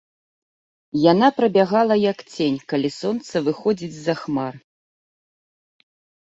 Яна прабягала, як цень, калі сонца выходзіць з-за хмар.